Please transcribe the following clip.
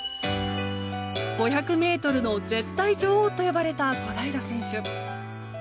５００ｍの絶対女王と呼ばれた小平選手。